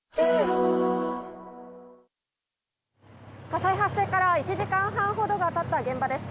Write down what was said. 火災発生から１時間半ほどが経った現場です。